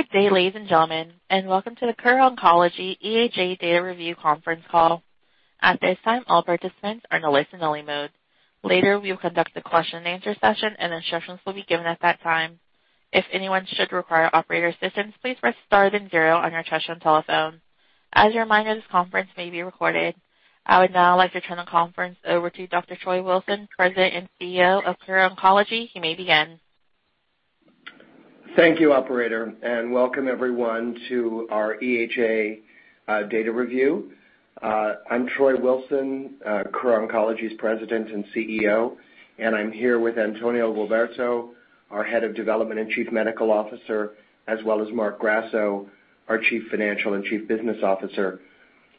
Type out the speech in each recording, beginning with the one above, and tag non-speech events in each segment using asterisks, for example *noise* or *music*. Good day, ladies and gentlemen. Welcome to the Kura Oncology EHA Data Review conference call. At this time, all participants are in a listen-only mode. Later, we will conduct a question and answer session, and instructions will be given at that time. If anyone should require operator assistance, please press star then zero on your touch-tone telephone. As a reminder, this conference may be recorded. I would now like to turn the conference over to Dr. Troy Wilson, President and CEO of Kura Oncology. He may begin. Thank you, operator. Welcome everyone to our EHA data review. I'm Troy Wilson, Kura Oncology's President and CEO. I'm here with Antonio Gualberto, our Head of Development and Chief Medical Officer, as well as Marc Grasso, our Chief Financial and Chief Business Officer.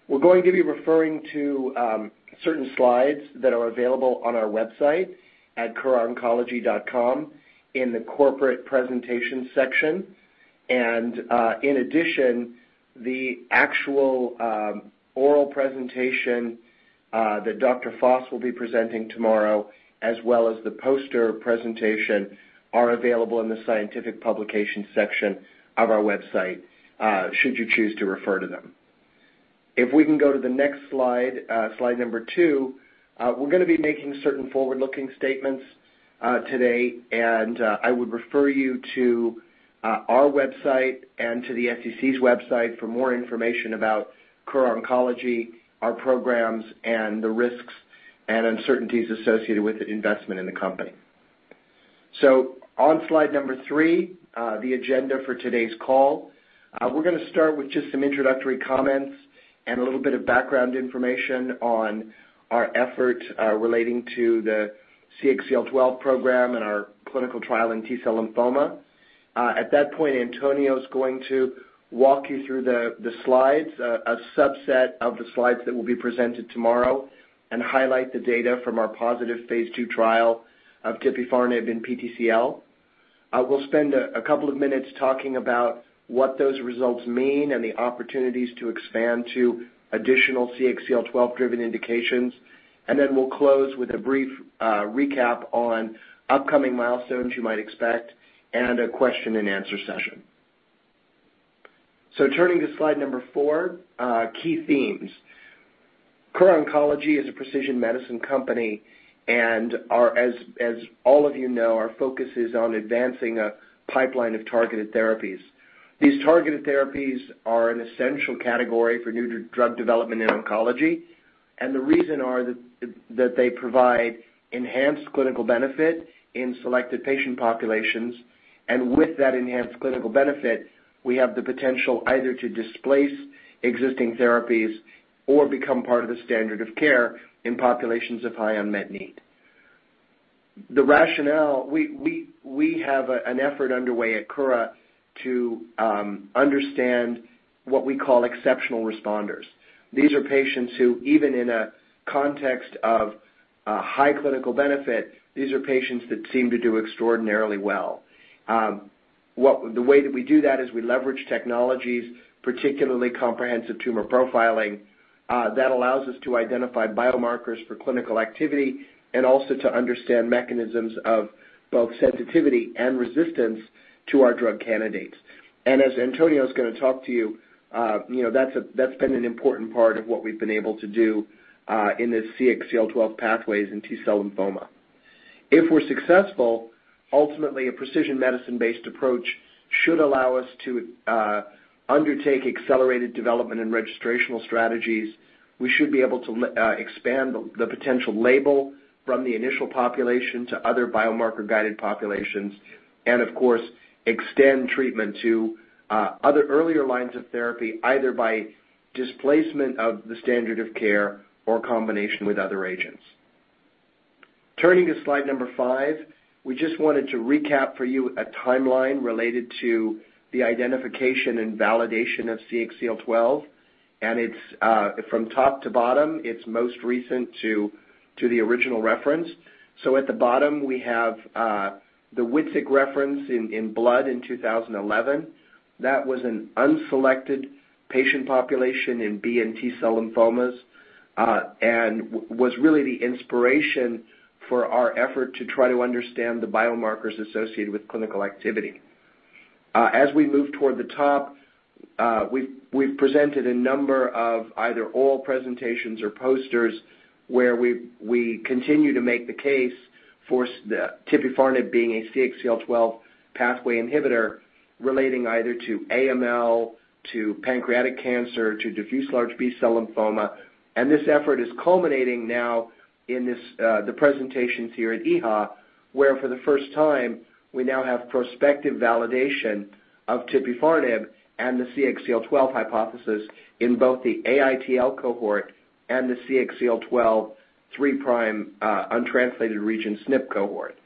We're going to be referring to certain slides that are available on our website at kuraoncology.com in the Corporate Presentation section. In addition, the actual oral presentation that Dr. Foss will be presenting tomorrow, as well as the poster presentation, are available in the Scientific Publication section of our website should you choose to refer to them. If we can go to the next slide number two. We're going to be making certain forward-looking statements today. I would refer you to our website and to the SEC's website for more information about Kura Oncology, our programs, and the risks and uncertainties associated with an investment in the company. On slide number three, the agenda for today's call. We're going to start with just some introductory comments and a little bit of background information on our effort relating to the CXCL12 program and our clinical trial in T-cell lymphoma. At that point, Antonio is going to walk you through the slides, a subset of the slides that will be presented tomorrow, highlight the data from our positive phase II trial of tipifarnib in PTCL. We'll spend a couple of minutes talking about what those results mean, the opportunities to expand to additional CXCL12-driven indications. We'll close with a brief recap on upcoming milestones you might expect, a question and answer session. Turning to slide number four, key themes. Kura Oncology is a precision medicine company. As all of you know, our focus is on advancing a pipeline of targeted therapies. These targeted therapies are an essential category for new drug development in oncology, the reason are that they provide enhanced clinical benefit in selected patient populations. With that enhanced clinical benefit, we have the potential either to displace existing therapies or become part of the standard of care in populations of high unmet need. The rationale, we have an effort underway at Kura to understand what we call exceptional responders. These are patients who, even in a context of high clinical benefit, these are patients that seem to do extraordinarily well. The way that we do that is we leverage technologies, particularly comprehensive tumor profiling that allows us to identify biomarkers for clinical activity and also to understand mechanisms of both sensitivity and resistance to our drug candidates. As Antonio is going to talk to you, that's been an important part of what we've been able to do in the CXCL12 pathways in T-cell lymphoma. If we're successful, ultimately, a precision medicine-based approach should allow us to undertake accelerated development and registrational strategies. We should be able to expand the potential label from the initial population to other biomarker-guided populations and, of course, extend treatment to other earlier lines of therapy, either by displacement of the standard of care or combination with other agents. Turning to slide number five, we just wanted to recap for you a timeline related to the identification and validation of CXCL12, and from top to bottom, it's most recent to the original reference. At the bottom, we have the Witzig reference in Blood in 2011. That was an unselected patient population in B and T-cell lymphomas and was really the inspiration for our effort to try to understand the biomarkers associated with clinical activity. As we move toward the top, we've presented a number of either oral presentations or posters where we continue to make the case for tipifarnib being a CXCL12 pathway inhibitor relating either to AML, to pancreatic cancer, to diffuse large B-cell lymphoma. This effort is culminating now in the presentations here at EHA, where for the first time, we now have prospective validation of tipifarnib and the CXCL12 hypothesis in both the AITL cohort and the CXCL12 3' UTR SNP cohort.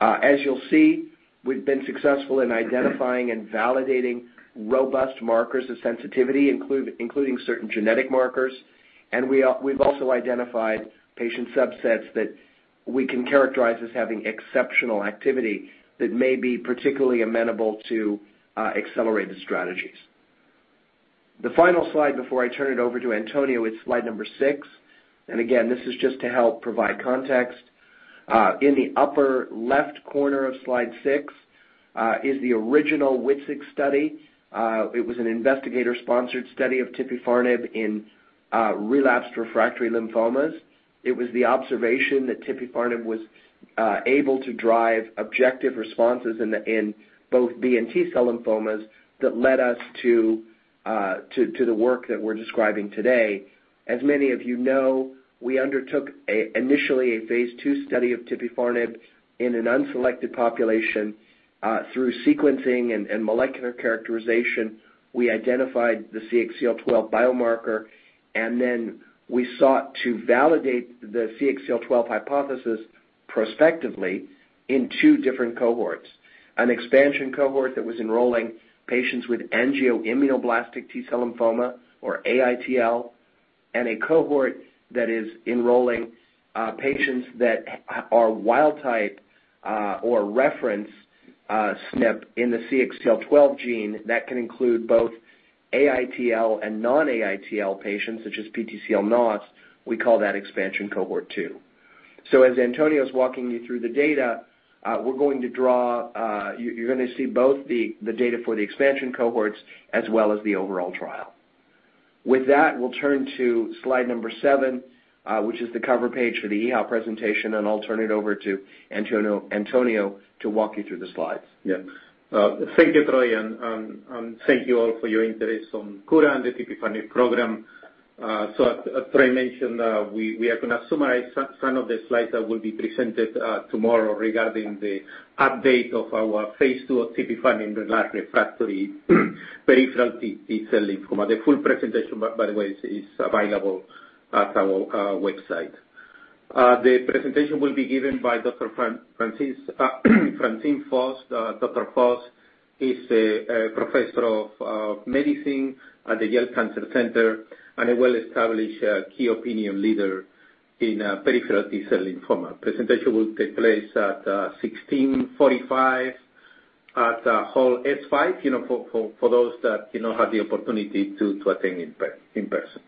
As you'll see, we've been successful in identifying and validating robust markers of sensitivity, including certain genetic markers, and we've also identified patient subsets that we can characterize as having exceptional activity that may be particularly amenable to accelerated strategies. The final slide before I turn it over to Antonio is slide number six, and again, this is just to help provide context. In the upper left corner of slide six, is the original Witzig study. It was an investigator-sponsored study of tipifarnib in relapsed refractory lymphomas. It was the observation that tipifarnib was able to drive objective responses in both B and T-cell lymphomas that led us to the work that we're describing today. As many of you know, we undertook initially a phase II study of tipifarnib in an unselected population. Through sequencing and molecular characterization, we identified the CXCL12 biomarker. Then we sought to validate the CXCL12 hypothesis prospectively in two different cohorts. An expansion cohort that was enrolling patients with angioimmunoblastic T-cell lymphoma, or AITL, and a cohort that is enrolling patients that are wild type or reference SNP in the CXCL12 gene that can include both AITL and non-AITL patients such as PTCL, NOS. We call that expansion cohort two. As Antonio's walking you through the data, you're going to see both the data for the expansion cohorts as well as the overall trial. With that, we'll turn to slide number seven, which is the cover page for the EHA presentation, and I'll turn it over to Antonio to walk you through the slides. Yeah. Thank you, Troy, and thank you all for your interest on Kura and the tipifarnib program. As Troy mentioned, we are going to summarize some of the slides that will be presented tomorrow regarding the update of our phase II tipifarnib in relapsed refractory peripheral T-cell lymphoma. The full presentation, by the way, is available at kuraoncology.com. The presentation will be given by Dr. Francine Foss. Dr. Foss is a Professor of Medicine at the Yale Cancer Center and a well-established key opinion leader in peripheral T-cell lymphoma. Presentation will take place at 4:45 P.M. at hall S5 for those that have the opportunity to attend in person.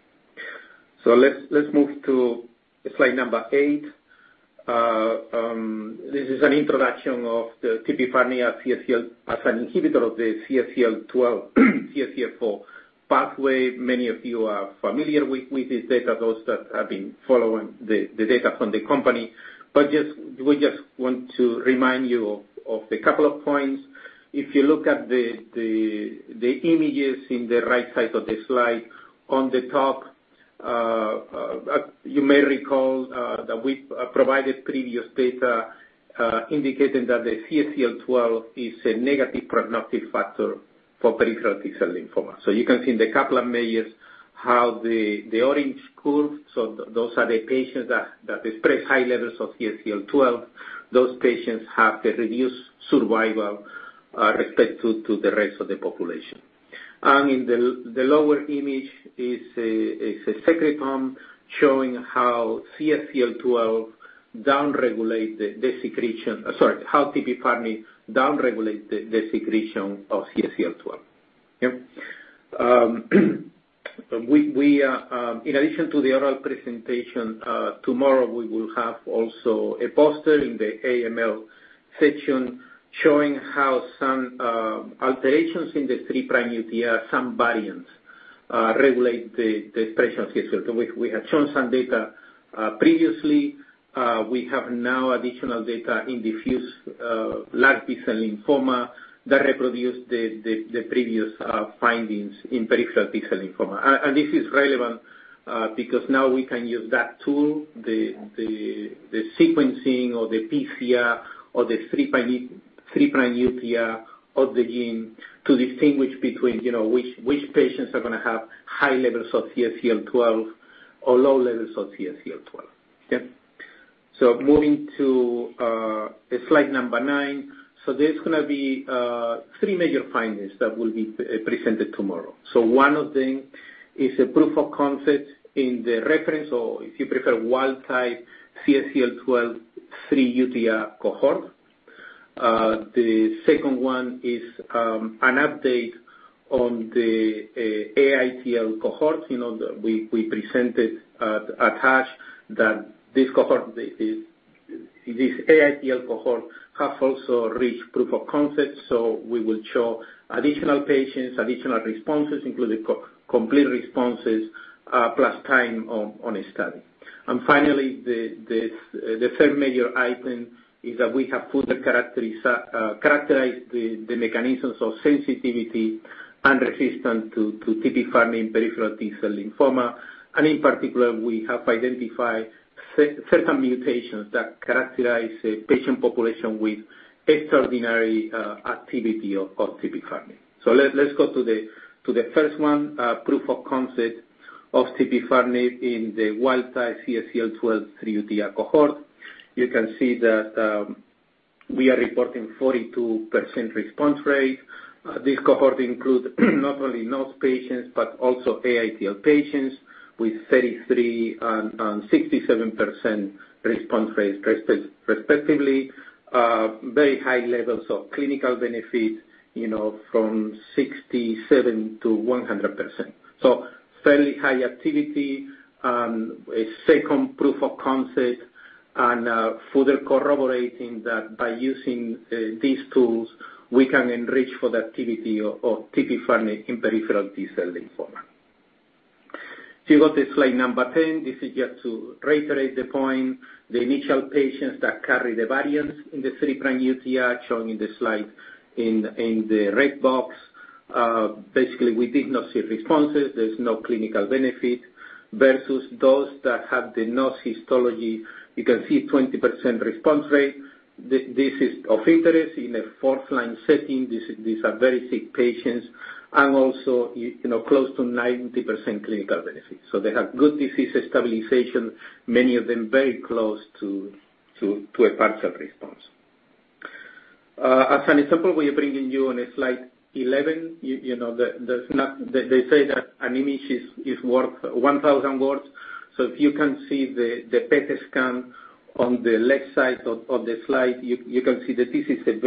Let's move to slide number eight. This is an introduction of the tipifarnib as an inhibitor of the CXCL12, CXCL4 pathway. Many of you are familiar with this data, those that have been following the data from the company. We just want to remind you of a couple of points. If you look at the images in the right side of the slide on the top, you may recall that we provided previous data indicating that the CXCL12 is a negative prognostic factor for peripheral T-cell lymphoma. You can see in the couple of measures how the orange curve, those are the patients that express high levels of CXCL12. Those patients have a reduced survival respect to the rest of the population. And in the lower image is a secretome showing how tipifarnib down-regulate the secretion of CXCL12. Yeah. In addition to the oral presentation, tomorrow we will have also a poster in the AML section showing how some alterations in the 3'UTR, some variants regulate the expression of CXCL12. We had shown some data previously. We have now additional data in diffuse large B-cell lymphoma that reproduce the previous findings in peripheral B-cell lymphoma. This is relevant because now we can use that tool, the sequencing or the PCR or the 3'UTR of the gene to distinguish between which patients are going to have high levels of CXCL12 or low levels of CXCL12. Okay. Moving to slide number nine. There's going to be three major findings that will be presented tomorrow. One of them is a proof of concept in the reference or if you prefer, wild type CXCL12 3'UTR cohort. The second one is an update on the AITL cohort. We presented at ASH that this AITL cohort has also reached proof of concept, so we will show additional patients, additional responses, including complete responses, plus time on a study. Finally, the third major item is that we have further characterized the mechanisms of sensitivity and resistance to tipifarnib in peripheral T-cell lymphoma, and in particular, we have identified certain mutations that characterize a patient population with extraordinary activity of tipifarnib. Let's go to the first one, proof of concept of tipifarnib in the wild-type CXCL12 3'UTR cohort. You can see that we are reporting 42% response rate. This cohort includes not only NOS patients but also AITL patients with 33% and 67% response rates respectively. Very high levels of clinical benefit, from 67%-100%. Fairly high activity, a second proof of concept and further corroborating that by using these tools, we can enrich for the activity of tipifarnib in peripheral T-cell lymphoma. You go to slide 10, this is just to reiterate the point. The initial patients that carry the variance in the 3' UTR, shown in the slide in the red box. Basically, we did not see responses. There is no clinical benefit versus those that have the no histology, you can see 20% response rate. This is of interest in a fourth-line setting. These are very sick patients and also close to 90% clinical benefit. They have good disease stabilization, many of them very close to a partial response. As an example, we are bringing you on slide 11. They say that an image is worth 1,000 words. If you can see the PET scan on the left side of the slide, you can see that this is a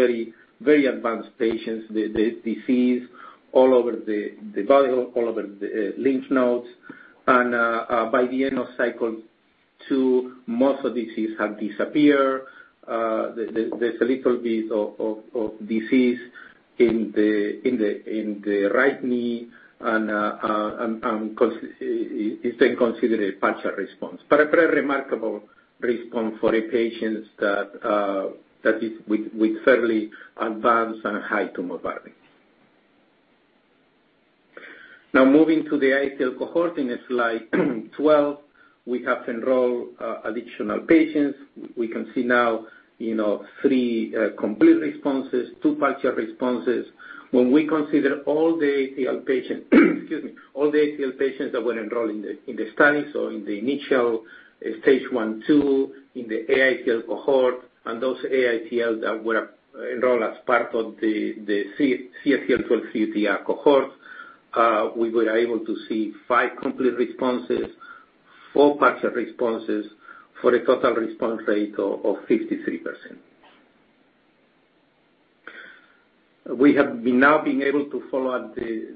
very advanced patient. The disease all over the body, all over the lymph nodes. By the end of cycle 2, most of the disease have disappeared. There is a little bit of disease in the right knee and is then considered a partial response, but a pretty remarkable response for a patient that is with fairly advanced and high tumor burden. Moving to the AITL cohort in slide 12. We have enrolled additional patients. We can see now three complete responses, two partial responses. When we consider all the AITL patients, excuse me, all the AITL patients that were enrolled in the study, in the initial stage 1, 2, in the AITL cohort, and those AITL that were enrolled as part of the CXCL12/3'UTR cohort, we were able to see five complete responses, four partial responses, for a total response rate of 53%. We have now been able to follow up the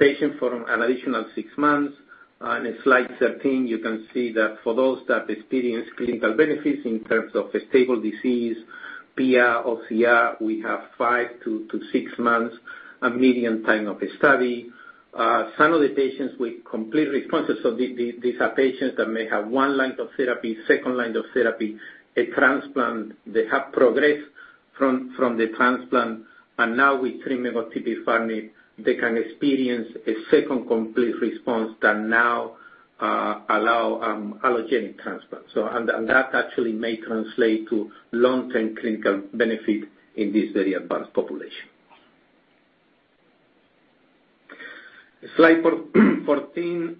patient for an additional six months. On slide 13, you can see that for those that experienced clinical benefits in terms of a stable disease, PR or CR, we have five to six months, a median time of the study. Some of the patients with complete responses, these are patients that may have one line of therapy, second line of therapy, a transplant. They have progressed from the transplant, and now with treatment of tipifarnib, they can experience a second complete response that now allow an allogeneic transplant. That actually may translate to long-term clinical benefit in this very advanced population. Slide 14,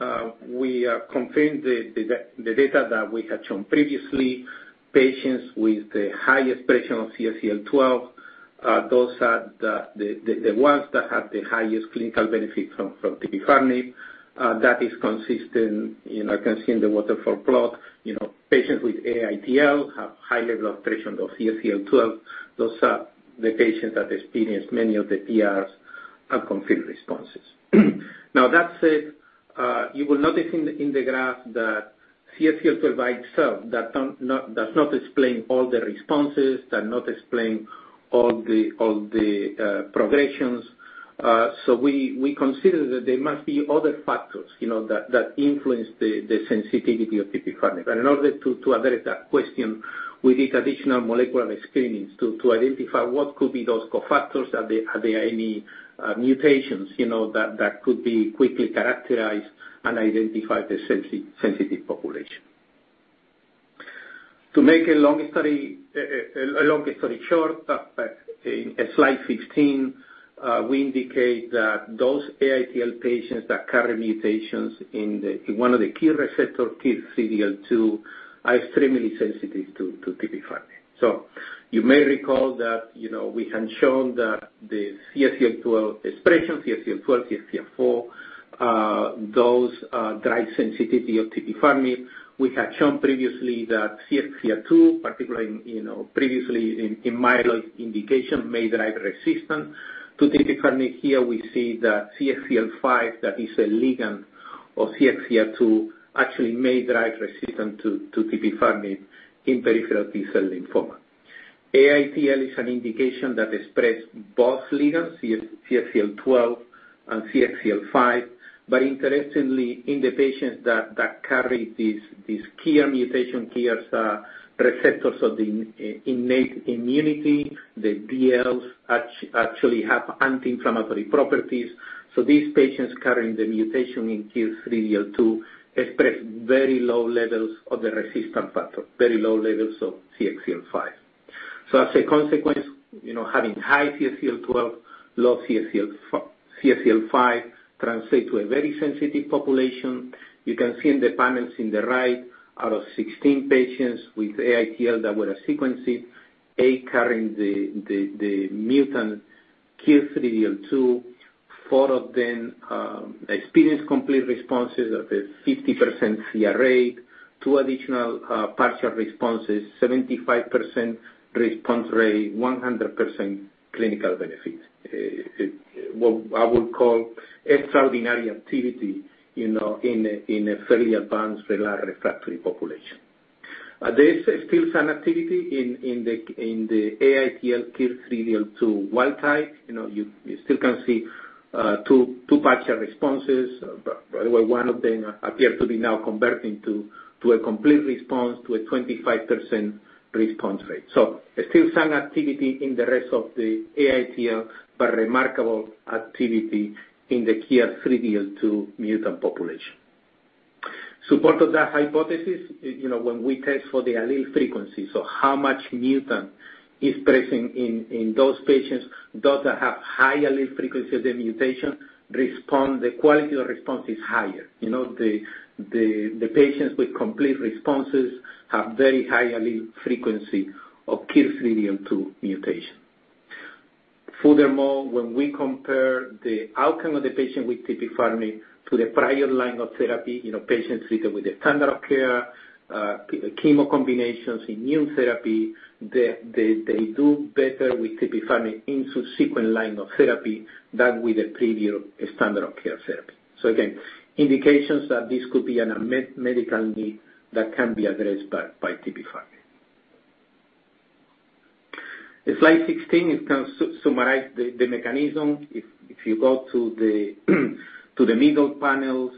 we confirmed the data that we had shown previously. Patients with the highest expression of CXCL12, those are the ones that have the highest clinical benefit from tipifarnib. That is consistent, you can see in the waterfall plot, patients with AITL have high level of expression of CXCL12. Those are the patients that experienced many of the TRs and complete responses. That said, you will notice in the graph that CXCL12 by itself does not explain all the responses, does not explain all the progressions. We consider that there must be other factors that influence the sensitivity of tipifarnib. In order to address that question, we did additional molecular screenings to identify what could be those co-factors. Are there any mutations that could be quickly characterized and identify the sensitive population? To make a long story short, in slide 15, we indicate that those AITL patients that carry mutations in one of the killer receptor, KIR3DL2, are extremely sensitive to tipifarnib. You may recall that we have shown that the CXCL12 expression, CXCL12, CXCL4, those drive sensitivity of tipifarnib. We had shown previously that CXCL2, particularly previously in myeloid indication, may drive resistance to tipifarnib. Here we see that CXCL5, that is a ligand of CXCL2, actually may drive resistance to tipifarnib in peripheral T-cell lymphoma. AITL is an indication that express both ligands, CXCL12 and CXCL5. Interestingly, in the patients that carry this KIR mutation, KIRs are receptors of the innate immunity, the DLs actually have anti-inflammatory properties. These patients carrying the mutation in KIR3DL2 express very low levels of the resistance factor, very low levels of CXCL5. As a consequence, having high CXCL12, low CXCL5 translate to a very sensitive population. You can see in the panels in the right, out of 16 patients with AITL that were sequenced, eight carry the mutant KIR3DL2. Four of them experienced complete responses at a 50% CR rate. Two additional partial responses, 75% response rate, 100% clinical benefit. What I would call extraordinary activity in a fairly advanced relapsed refractory population. There is still some activity in the AITL KIR3DL2 wild type. You still can see two partial responses. By the way, one of them appears to be now converting to a complete response to a 25% response rate. There's still some activity in the rest of the AITL, but remarkable activity in the KIR3DL2 mutant population. Support of that hypothesis, when we test for the allele frequency, how much mutant is present in those patients, those that have high allele frequency of the mutation respond, the quality of response is higher. The patients with complete responses have very high allele frequency of KIR3DL2 mutation. Furthermore, when we compare the outcome of the patient with tipifarnib to the prior line of therapy, patients treated with the standard of care, chemo combinations, immune therapy, they do better with tipifarnib in subsequent line of therapy than with the previous standard of care therapy. Again, indications that this could be a medical need that can be addressed by tipifarnib. Slide 16, it kind of summarizes the mechanism. If you go to the middle panels,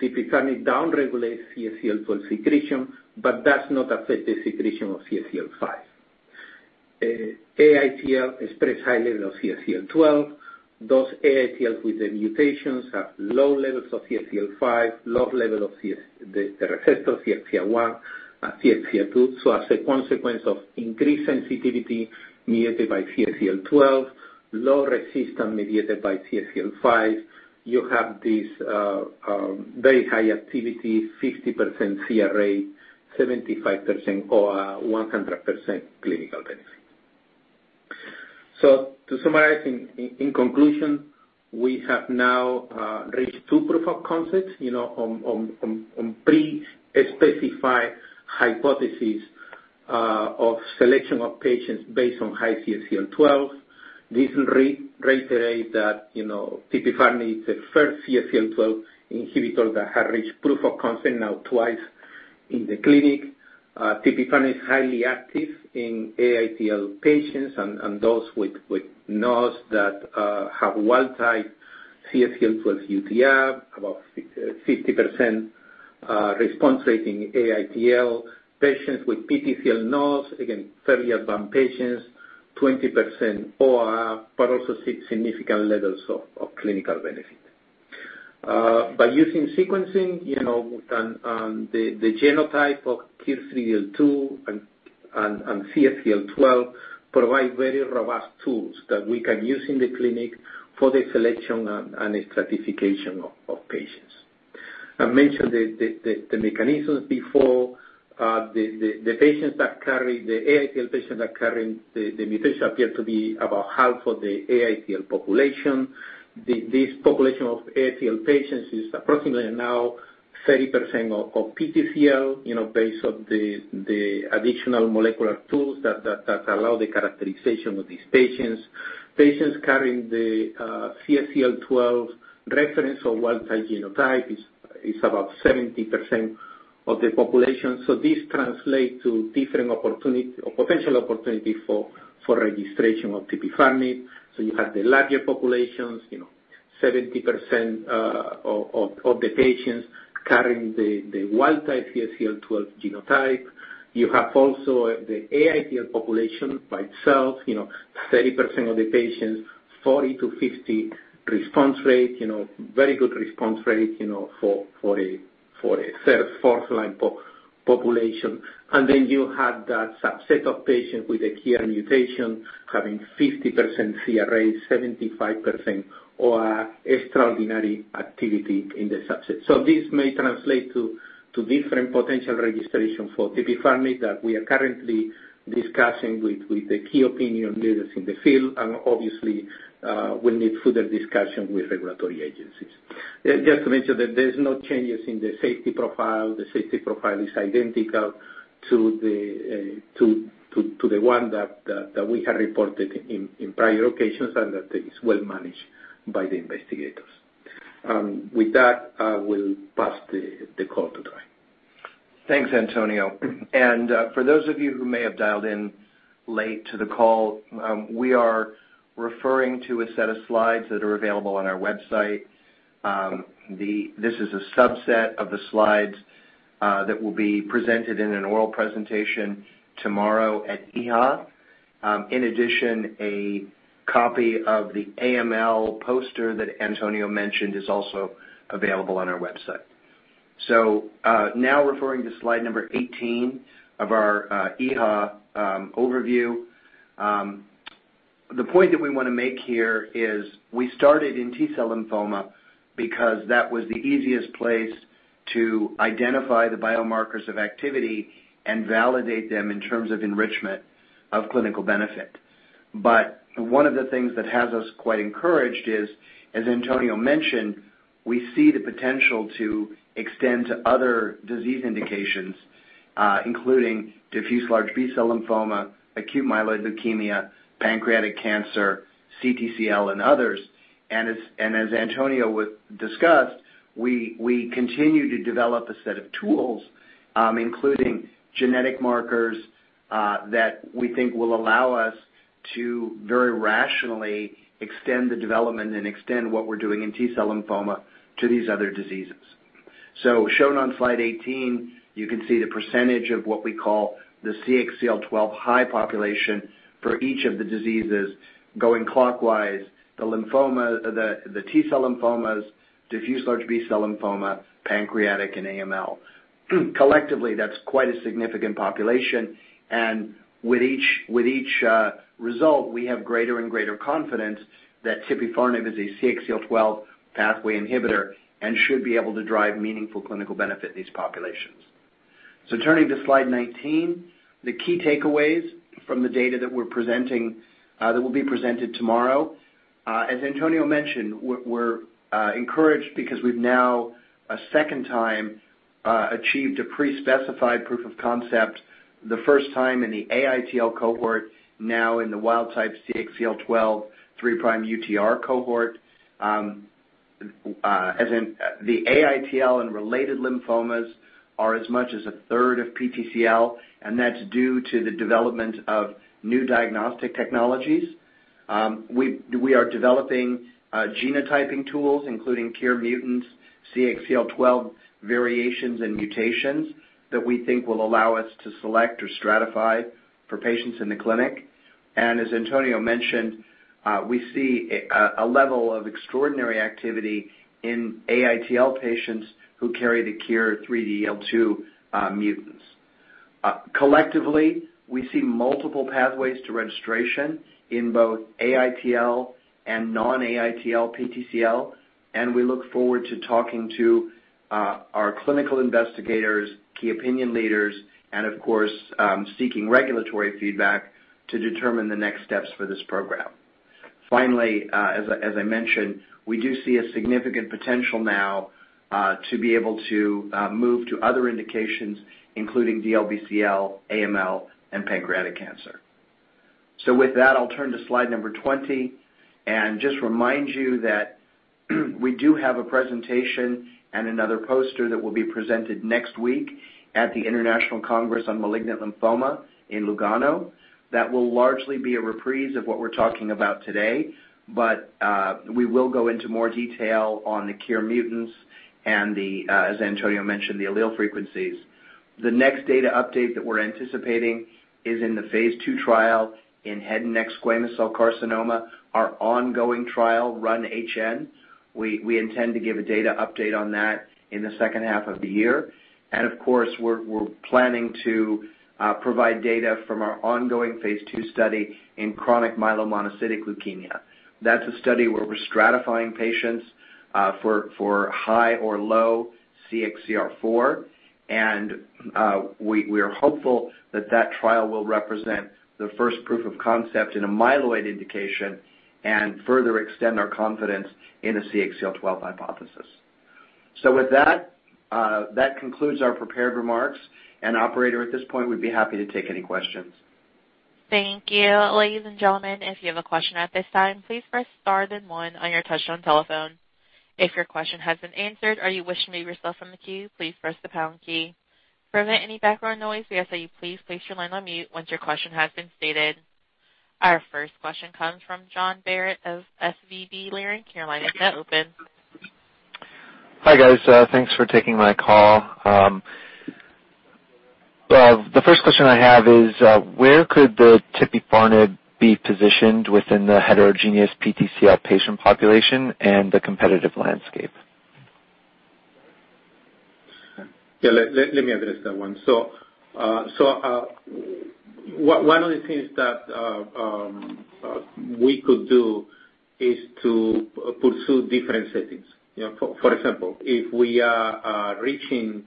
tipifarnib down-regulates CXCR2 secretion, but does not affect the secretion of CXCL5. AITL express high level of CXCL12. Those AITL with the mutations have low levels of CXCL5, low level of the receptor CXCR1 and CXCR2. As a consequence of increased sensitivity mediated by CXCL12, low resistance mediated by CXCL5, you have this very high activity, 50% CRA, 75% OR, 100% clinical benefit. To summarize, in conclusion, we have now reached two proof of concepts on pre-specified hypotheses of selection of patients based on high CXCL12. This reiterates that tipifarnib is the first CXCL12 inhibitor that has reached proof of concept now twice in the clinic. Tipifarnib is highly active in AITL patients and those with NOS that have wild type CXCL12 3' UTR, about 50% response rate in AITL patients with PTCL, NOS, again, fairly advanced patients, 20% OR, but also 6 significant levels of clinical benefit. By using sequencing, the genotype of KIR3DL2 and CXCL12 provide very robust tools that we can use in the clinic for the selection and stratification of patients. I mentioned the mechanisms before. The AITL patients that carry the mutation appear to be about half of the AITL population. This population of AITL patients is approximately 30% of PTCL, based on the additional molecular tools that allow the characterization of these patients. Patients carrying the CXCL12 reference or wild type genotype is about 70% of the population. This translates to different potential opportunity for registration of tipifarnib. You have the larger populations, 70% of the patients carrying the wild type CXCL12 genotype. You have also the AITL population by itself, 30% of the patients, 40%-50% response rate, very good response rate for a third, fourth-line population. Then you have that subset of patients with a KIR mutation having 50% CR rate, 75% OR, extraordinary activity in the subset. This may translate to different potential registration for tipifarnib that we are currently discussing with the key opinion leaders in the field, and obviously, we'll need further discussion with regulatory agencies. Just to mention that there's no changes in the safety profile. The safety profile is identical to the one that we had reported in prior occasions, and that is well managed by the investigators. With that, I will pass the call to Troy. Thanks, Antonio. For those of you who may have dialed in late to the call, we are referring to a set of slides that are available on our website. This is a subset of the slides that will be presented in an oral presentation tomorrow at EHA. In addition, a copy of the AML poster that Antonio mentioned is also available on our website. Now referring to slide number 18 of our EHA overview. The point that we want to make here is we started in T-cell lymphoma because that was the easiest place to identify the biomarkers of activity and validate them in terms of enrichment of clinical benefit. One of the things that has us quite encouraged is, as Antonio mentioned, we see the potential to extend to other disease indications, including diffuse large B-cell lymphoma, acute myeloid leukemia, pancreatic cancer, CTCL, and others. As Antonio discussed, we continue to develop a set of tools, including genetic markers that we think will allow us to very rationally extend the development and extend what we're doing in T-cell lymphoma to these other diseases. Shown on slide 18, you can see the percentage of what we call the CXCL12 high population for each of the diseases going clockwise, the T-cell lymphomas, diffuse large B-cell lymphoma, pancreatic, and AML. Collectively, that's quite a significant population. With each result, we have greater and greater confidence that tipifarnib is a CXCL12 pathway inhibitor and should be able to drive meaningful clinical benefit in these populations. Turning to slide 19, the key takeaways from the data that will be presented tomorrow. As Antonio mentioned, we're encouraged because we've now, a second time, achieved a pre-specified proof of concept, the first time in the AITL cohort, now in the wild type CXCL12 three-prime UTR cohort. The AITL and related lymphomas are as much as a third of PTCL, and that's due to the development of new diagnostic technologies. We are developing genotyping tools, including KIR mutants, CXCL12 variations and mutations that we think will allow us to select or stratify for patients in the clinic. As Antonio mentioned, we see a level of extraordinary activity in AITL patients who carry the KIR3DL2 mutants. Collectively, we see multiple pathways to registration in both AITL and non-AITL PTCL, and we look forward to talking to our clinical investigators, key opinion leaders, and of course, seeking regulatory feedback to determine the next steps for this program. Finally, as I mentioned, we do see a significant potential now to be able to move to other indications, including DLBCL, AML, and pancreatic cancer. With that, I'll turn to slide 20 and just remind you that we do have a presentation and another poster that will be presented next week at the International Conference on Malignant Lymphoma in Lugano. That will largely be a reprise of what we're talking about today, but we will go into more detail on the KIR mutants and the, as Antonio mentioned, the allele frequencies. The next data update that we're anticipating is in the phase II trial in head and neck squamous cell carcinoma, our ongoing trial RUN-HN. We intend to give a data update on that in the second half of the year. Of course, we're planning to provide data from our ongoing phase II study in chronic myelomonocytic leukemia. That's a study where we're stratifying patients for high or low CXCR4, and we are hopeful that that trial will represent the first proof of concept in a myeloid indication and further extend our confidence in a CXCL12 hypothesis. With that concludes our prepared remarks, and operator, at this point, we'd be happy to take any questions. Thank you. Ladies and gentlemen, if you have a question at this time, please press star then one on your touchtone telephone. If your question has been answered or you wish to remove yourself from the queue, please press the pound key. To prevent any background noise, we ask that you please place your line on mute once your question has been stated. Our first question comes from John Barrett of Leerink Partners. Your line is now open. Hi, guys. Thanks for taking my call. The first question I have is, where could the tipifarnib be positioned within the heterogeneous PTCL patient population and the competitive landscape? Yeah, let me address that one. One of the things that we could do is to pursue different settings. For example, if we are reaching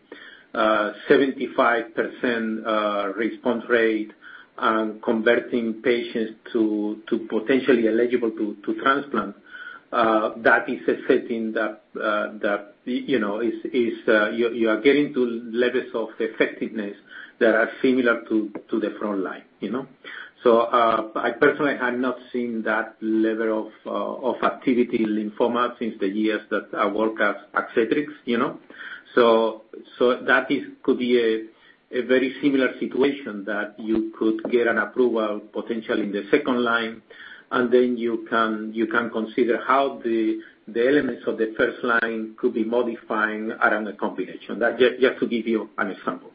75% response rate and converting patients to potentially eligible to transplant, that is a setting that you are getting to levels of effectiveness that are similar to the front line. I personally have not seen that level of activity lymphoma since the years that I worked at Astex. That could be a very similar situation that you could get an approval potentially in the second line, and then you can consider how the elements of the first line could be modifying around the combination. Just to give you an example.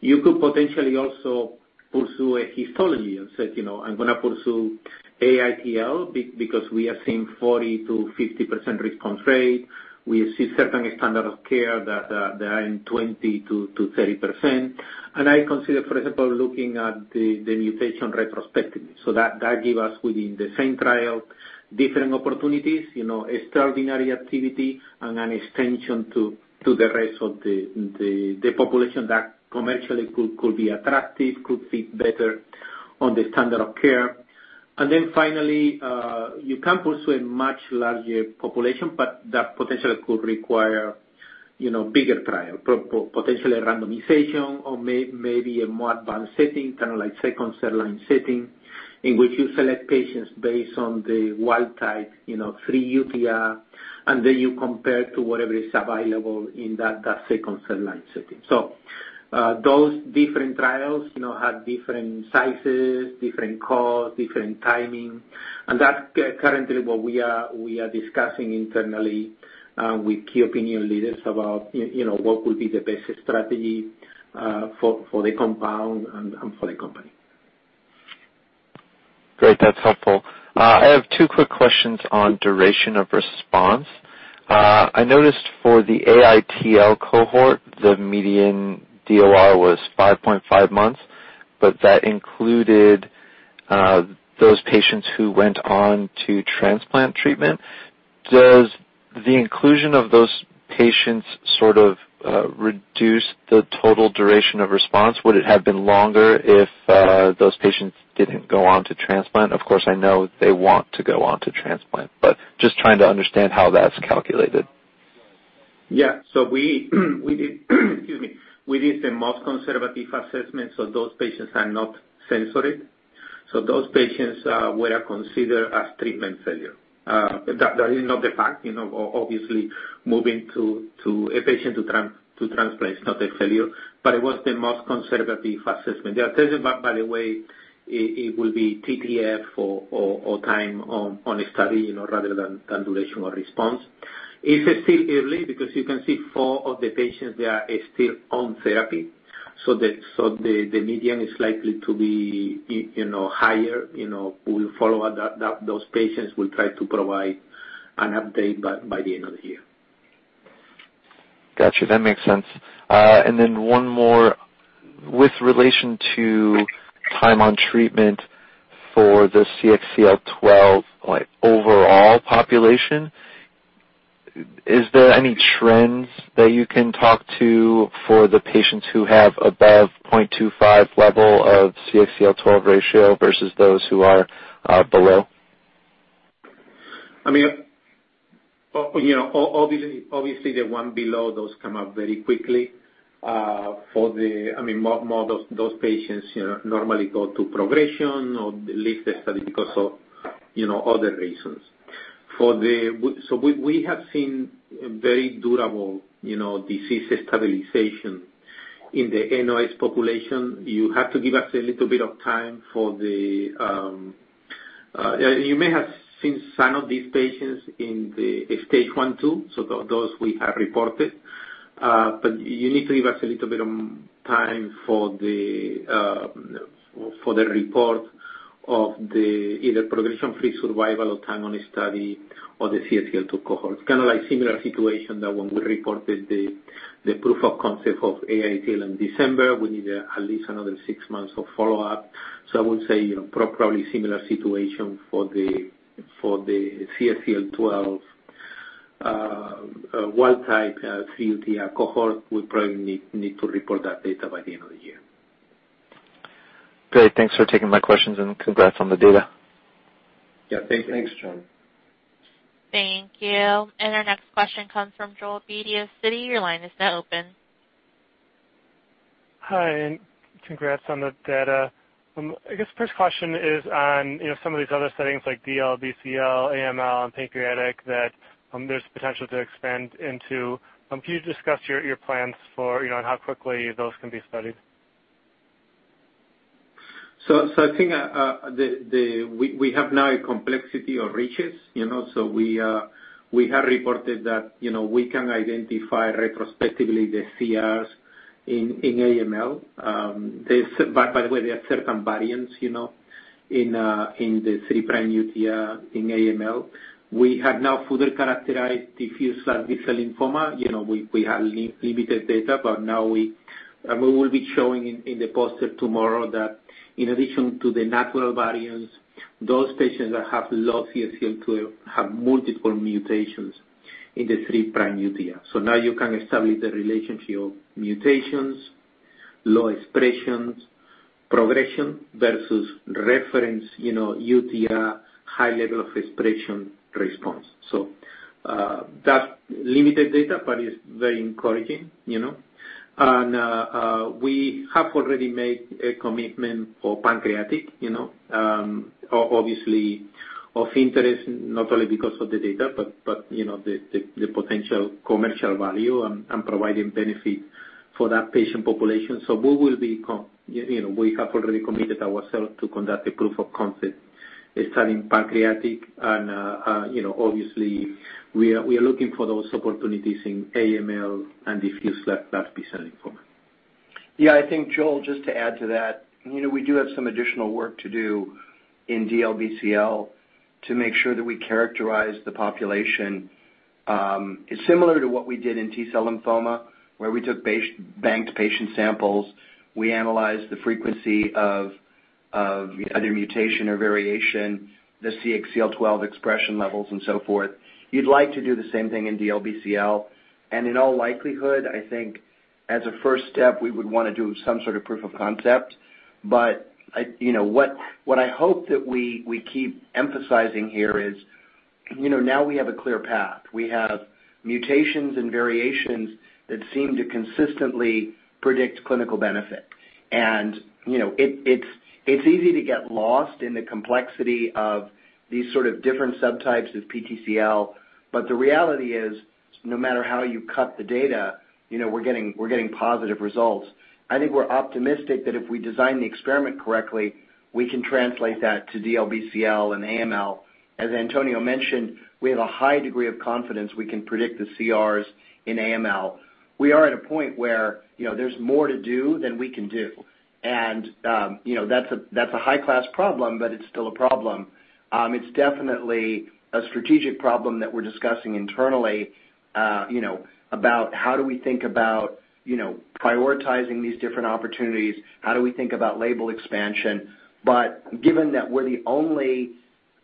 You could potentially also pursue a histology and say, "I'm going to pursue AITL because we are seeing 40%-50% response rate. We see certain standard of care that are in 20%-30%." I consider, for example, looking at the mutation retrospectively. That give us within the same trial, different opportunities, extraordinary activity, and an extension to the rest of the population that commercially could be attractive, could fit better on the standard of care. Then finally, you can pursue a much larger population, that potentially could require bigger trial, potentially randomization or maybe a more advanced setting, like second-line setting, in which you select patients based on the wild type 3'UTR, and then you compare to whatever is available in that second-line setting. Those different trials have different sizes, different costs, different timing, and that's currently what we are discussing internally with key opinion leaders about what would be the best strategy for the compound and for the company. Great. That's helpful. I have two quick questions on duration of response. I noticed for the AITL cohort, the median DOR was 5.5 months, but that included those patients who went on to transplant treatment. Does the inclusion of those patients sort of reduce the total duration of response? Would it have been longer if those patients didn't go on to transplant? Of course, I know they want to go on to transplant, but just trying to understand how that's calculated. Yeah. We did excuse me. We did the most conservative assessment, those patients are not censored. Those patients were considered as treatment failure. That is not the fact, obviously, moving a patient to transplant is not a failure, but it was the most conservative assessment. The assessment, by the way, it will be TTF or time on study rather than duration of response. It's still early because you can see four of the patients, they are still on therapy. The median is likely to be higher. We'll follow up those patients. We'll try to provide an update by the end of the year. Got you. That makes sense. One more. With relation to time on treatment for the CXCL12 overall population, is there any trends that you can talk to for the patients who have above 0.25 level of CXCL12 ratio versus those who are below? Obviously, the one below those come up very quickly. Those patients normally go to progression or leave the study because of other reasons. We have seen very durable disease stabilization in the NOS population. You have to give us a little bit of time for the-- You may have seen some of these patients in the stage I, II, those we have reported. You need to give us a little bit of time for the report of the either progression-free survival or time on a study or the CXCR2 cohort. It's like similar situation that when we reported the proof of concept of AITL in December, we need at least another six months of follow-up. I would say, probably similar situation for the CXCL12 wild type 3'UTR cohort, we probably need to report that data by the end of the year. Great. Thanks for taking my questions and congrats on the data. Yeah. Thanks. Thanks, John. Thank you. Our next question comes from Joel Beatty, Citi. Your line is now open. Hi, and congrats on the data. I guess first question is on some of these other settings like DLBCL, AML, and pancreatic that there's potential to expand into. Can you discuss your plans for, and how quickly those can be studied? I think we have now a complexity of reaches. We have reported that we can identify retrospectively the CRs in AML. By the way, there are certain variants in the 3'UTR in AML. We have now further characterized diffuse large B-cell lymphoma. We have limited data, but now we will be showing in the poster tomorrow that in addition to the natural variants, those patients that have low CXCL12 have multiple mutations in the 3'UTR. Now you can establish the relationship, mutations, low expressions, progression versus reference, UTR, high level of expression response. That's limited data, but it's very encouraging. We have already made a commitment for pancreatic, obviously of interest, not only because of the data but the potential commercial value and providing benefit for that patient population. We have already committed ourselves to conduct a proof of concept study in pancreatic and obviously we are looking for those opportunities in AML and diffuse large B-cell lymphoma. Yeah, I think Joel, just to add to that, we do have some additional work to do in DLBCL to make sure that we characterize the population similar to what we did in T-cell lymphoma, where we took banked patient samples, we analyzed the frequency of either mutation or variation, the CXCL12 expression levels and so forth. You'd like to do the same thing in DLBCL, and in all likelihood, I think as a first step, we would want to do some sort of proof of concept. What I hope that we keep emphasizing here is now we have a clear path. We have mutations and variations that seem to consistently predict clinical benefit. It's easy to get lost in the complexity of these sort of different subtypes of PTCL, but the reality is, no matter how you cut the data, we're getting positive results. I think we're optimistic that if we design the experiment correctly, we can translate that to DLBCL and AML. As Antonio mentioned, we have a high degree of confidence we can predict the CRs in AML. We are at a point where there's more to do than we can do. That's a high-class problem, but it's still a problem. It's definitely a strategic problem that we're discussing internally, about how do we think about prioritizing these different opportunities? How do we think about label expansion? Given that we're the only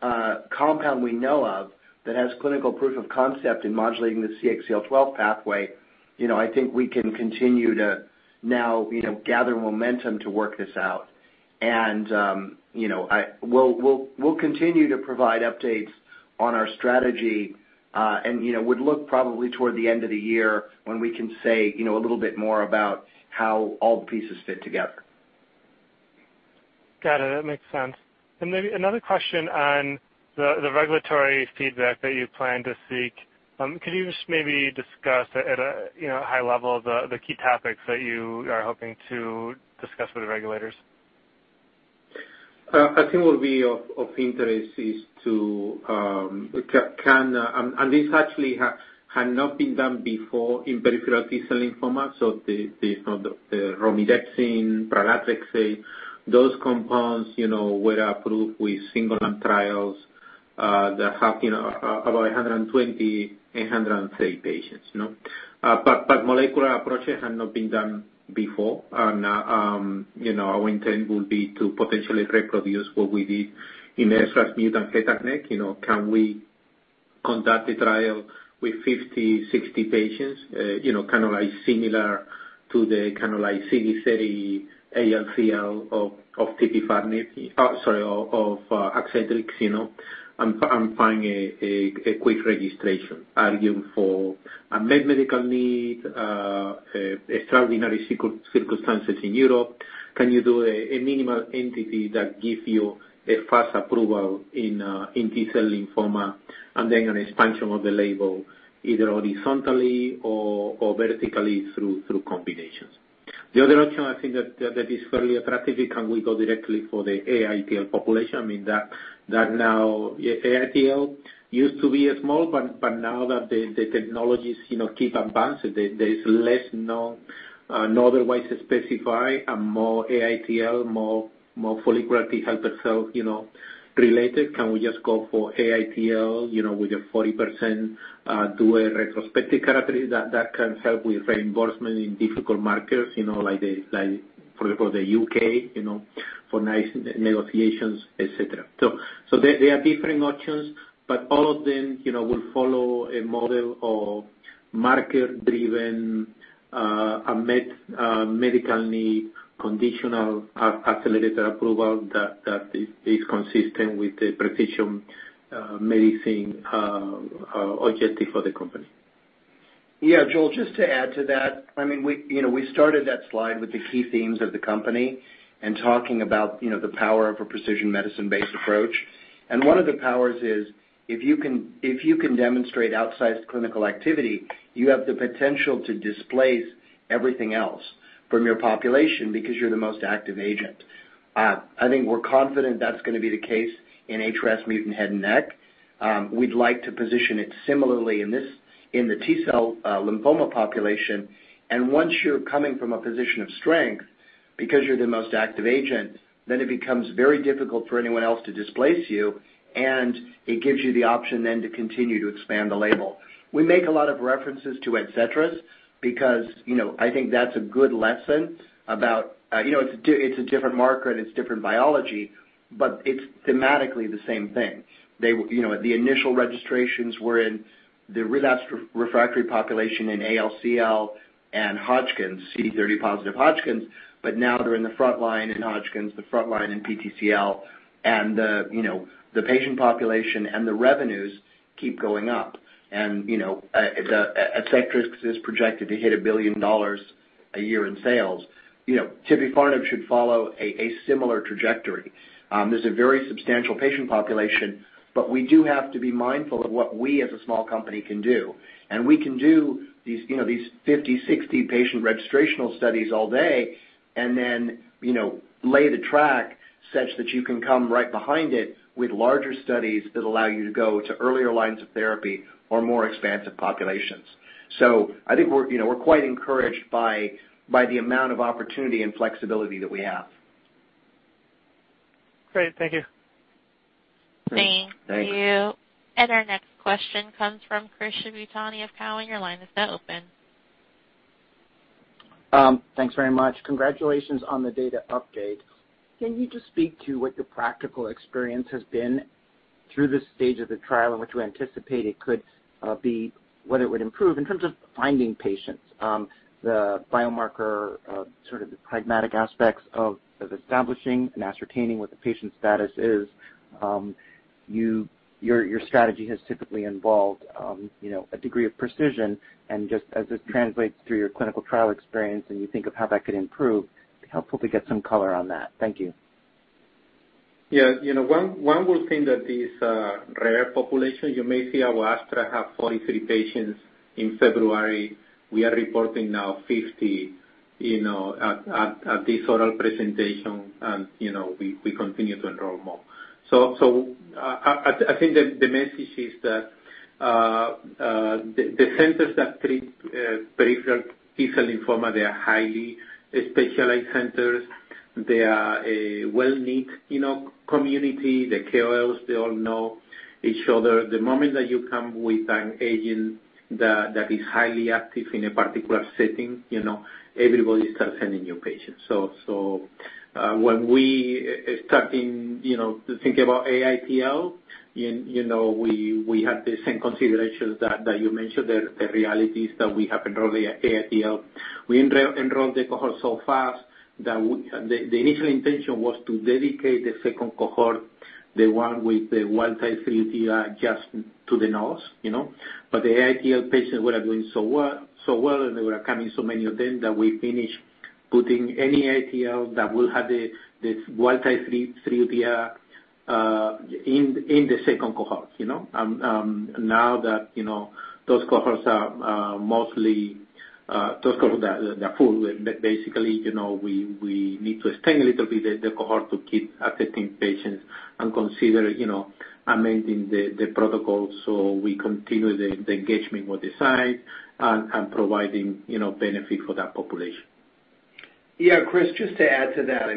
compound we know of that has clinical proof of concept in modulating the CXCL12 pathway, I think we can continue to now gather momentum to work this out. We'll continue to provide updates on our strategy, and would look probably toward the end of the year when we can say a little bit more about how all the pieces fit together. Got it. That makes sense. Maybe another question on the regulatory feedback that you plan to seek. Could you just maybe discuss at a high level the key topics that you are hoping to discuss with the regulators? I think what will be of interest is to. This actually had not been done before in peripheral T-cell lymphoma, so the romidepsin, pralatrexate, those compounds were approved with single arm trials that have about 120, 130 patients. Molecular approaches had not been done before. Our intent will be to potentially reproduce what we did in HRAS mutant head and neck. Can we conduct a trial with 50, 60 patients, kind of like similar to the kind of like CD30 ALCL of tipifarnib, sorry, of ADCETRIS and find a quick registration argument for unmet medical need, extraordinary circumstances in Europe. Can you do a minimal entity that gives you a fast approval in T-cell lymphoma and then an expansion of the label either horizontally or vertically through combinations. The other option I think that is fairly attractive, can we go directly for the AITL population? I mean, that now AITL used to be small, but now that the technologies keep advancing, there is less non-otherwise specified and more AITL, more fully helper cell related. Can we just go for AITL with a 40% dual retrospective characteristic that can help with reimbursement in difficult markets like for the U.K. for NICE negotiations, et cetera. There are different options, but all of them will follow a model of market-driven, unmet medical need, conditional accelerated approval that is consistent with the precision medicine objective for the company. Joel, just to add to that, we started that slide with the key themes of the company and talking about the power of a precision medicine-based approach. One of the powers is if you can demonstrate outsized clinical activity, you have the potential to displace everything else from your population because you're the most active agent. I think we're confident that's going to be the case in HRAS mutant head and neck. We'd like to position it similarly in the T-cell lymphoma population. Once you're coming from a position of strength, because you're the most active agent, it becomes very difficult for anyone else to displace you, and it gives you the option then to continue to expand the label. We make a lot of references to ADCETRIS because I think that's a good lesson about. It's a different marker and it's different biology, but it's thematically the same thing. The initial registrations were in the relapsed refractory population in ALCL and Hodgkin's, CD30 positive Hodgkin's, but now they're in the frontline in Hodgkin's, the frontline in PTCL, and the patient population and the revenues keep going up. ADCETRIS is projected to hit $1 billion a year in sales. Tipifarnib should follow a similar trajectory. There's a very substantial patient population, but we do have to be mindful of what we as a small company can do. We can do these 50, 60 patient registrational studies all day and then lay the track such that you can come right behind it with larger studies that allow you to go to earlier lines of therapy or more expansive populations. I think we're quite encouraged by the amount of opportunity and flexibility that we have. Great. Thank you. Thank you. Our next question comes from Chris Shibutani of Cowen. Your line is now open. Thanks very much. Congratulations on the data update. Can you just speak to what the practical experience has been through this stage of the trial and what you anticipate could be what it would improve in terms of finding patients? The biomarker, sort of the pragmatic aspects of establishing and ascertaining what the patient status is. Your strategy has typically involved a degree of precision and just as this translates through your clinical trial experience, and you think of how that could improve, it would be helpful to get some color on that. Thank you. Yeah. One would think that this rare population, you may see how AstraZeneca had 43 patients in February. We are reporting now 50 at this oral presentation. We continue to enroll more. I think that the message is that the centers that treat peripheral T-cell lymphoma, they are highly specialized centers. They are a well-knit community. The KOLs, they all know each other. The moment that you come with an agent that is highly active in a particular setting, everybody starts sending you patients. When we started to think about AITL, we had the same considerations that you mentioned there, the realities that we have enrolled the AITL. We enrolled the cohort so fast that the initial intention was to dedicate the second cohort, the one with the wild type 3' UTR just to the NOS. The AITL patients were doing so well, and they were coming so many of them that we finished putting any AITL that will have this wild type 3' UTR in the second cohort. Now that those cohorts are full, basically, we need to extend a little bit the cohort to keep accepting patients and consider amending the protocol so we continue the engagement with the site and providing benefit for that population. Yeah, Chris, just to add to that,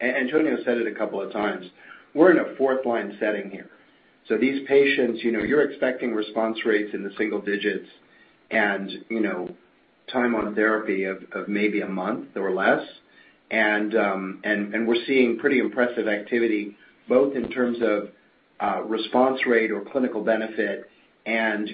Antonio said it a couple of times. We're in a fourth-line setting here. These patients, you're expecting response rates in the single digits and time on therapy of maybe a month or less. We're seeing pretty impressive activity, both in terms of response rate or clinical benefit and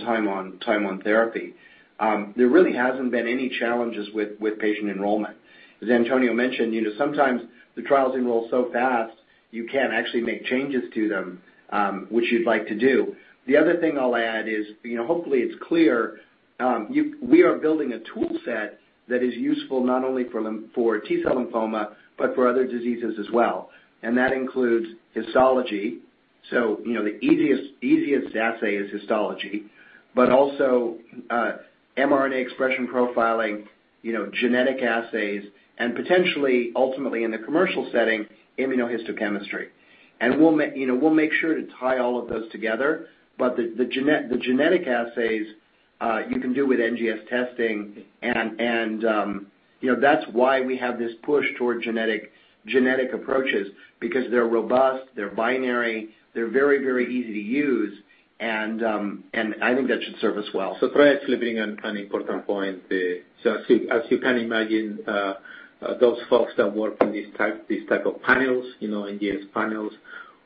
time on therapy. There really hasn't been any challenges with patient enrollment. As Antonio mentioned, sometimes the trials enroll so fast, you can't actually make changes to them, which you'd like to do. The other thing I'll add is, hopefully, it's clear, we are building a tool set that is useful not only for T-cell lymphoma, but for other diseases as well, and that includes histology. The easiest assay is histology, but also mRNA expression profiling, genetic assays, and potentially, ultimately in the commercial setting, immunohistochemistry. We'll make sure to tie all of those together. The genetic assays you can do with NGS testing and that's why we have this push toward genetic approaches because they're robust, they're binary, they're very, very easy to use, and I think that should serve us well. Troy is living on an important point there. As you can imagine, those folks that work on these type of panels, NGS panels,